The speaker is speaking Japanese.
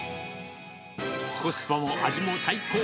コスパも味も最高！